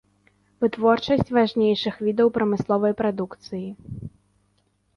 Вытворчасць важнейшых відаў прамысловай прадукцыі.